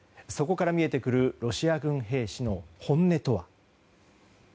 そこから見えてくるロシア軍兵士の本音とは。